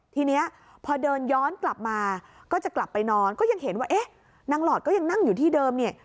ทีนี้พอเดินย้อนกลับมาก็จะกลับไปนอนก็ยังเห็นว่าเอ๊ะนางหลอดก็ยังนั่งอยู่ที่เดิมเนี่ย